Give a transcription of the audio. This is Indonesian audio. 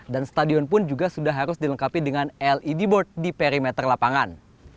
dan stadion pun juga sudah harus dilengkapi dengan led board di perimeter lapangan